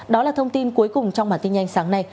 đó là thông tin cuối cùng trong bản tin nhanh sáng nay